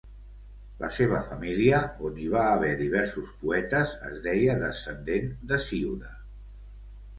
La seva família, on hi va haver diversos poetes, es deia descendent d'Hesíode.